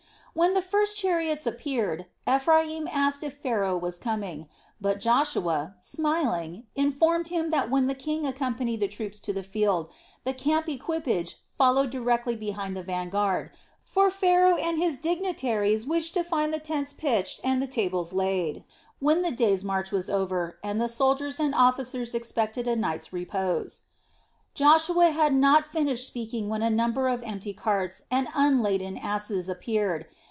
When the first chariots appeared Ephraim asked if Pharaoh was coming; but Joshua, smiling, informed him that when the king accompanied the troops to the field, the camp equipage followed directly behind the vanguard, for Pharaoh and his dignitaries wished to find the tents pitched and the tables laid, when the day's march was over and the soldiers and officers expected a night's repose. Joshua had not finished speaking when a number of empty carts and unladen asses appeared.